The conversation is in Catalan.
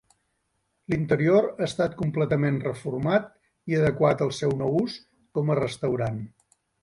L'interior ha estat completament reformat i adequat al seu nou ús com a restaurant.